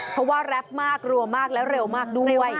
เพราะว่าแรปมากรัวมากและเร็วมากด้วย